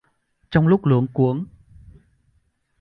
Trong lúc luống cuống